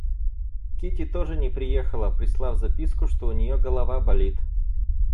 Кити тоже не приехала, прислав записку, что у нее голова болит.